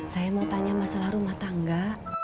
saya mau tanya masalah rumah tangga